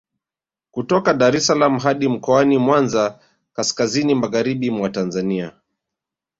Kutokea Dar es salaam hadi Mkoani Mwanza kaskazini magharibi mwa Tanzania